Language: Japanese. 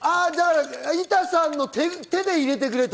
板さんの手で入れてくれと。